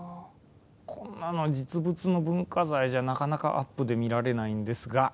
こんなの実物の文化財じゃなかなかアップで見られないんですが。